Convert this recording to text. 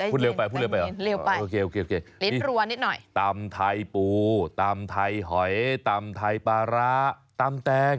คุณเร็วไปเหรอโอเคนิดหน่วงนิดหน่อยตำไทยปูตำไทยหอยตำไทยปาร้าตำแตง